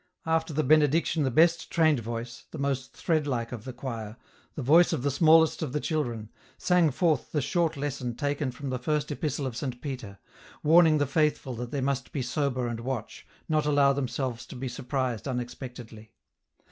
After the benediction the best trained voice, the most threadlike of the choir, the voice of the smallest of the children, sang forth the short lesson taken from the first Epistle of Saint Peter, warning the faithful that they must be sober and watch, not allow themselves to be surprised unexpectedly.